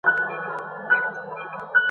ايران او مصر کي